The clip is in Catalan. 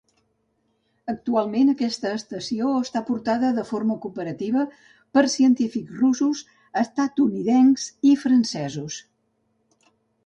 Actualment aquesta estació està portada de forma cooperativa per científics russos, estatunidencs i francesos.